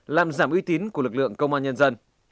làm giảm uy tín của lực lượng công an nhân dân